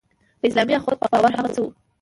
په اسلامي اخوت باور هغه څه وو.